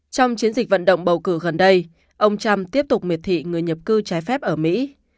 trong chiến dịch vận động bầu cử gần đây ông trump tiếp tục miệt thị người nhập cư trái phép ở mỹ